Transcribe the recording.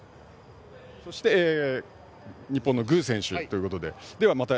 そして日本の具選手ということで。